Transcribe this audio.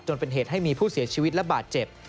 จนเป็นเหตุให้มีผู้เสียชีวิตและบาดเจ็บ